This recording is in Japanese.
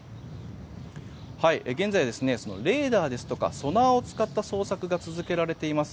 現在、レーダーですとかソナーを使った捜索が続けられています。